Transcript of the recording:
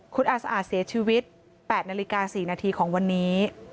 คุณอาสะอาดเสียชีวิต๘นาฬิกา๔นาทีของวันนี้